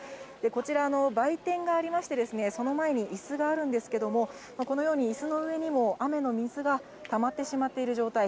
こちらの売店がありまして、その前にいすがあるんですけれども、このようにいすの上にも雨の水がたまってしまっている状態。